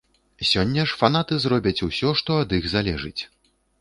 Сёння ж фанаты зробяць усё, што ад іх залежыць.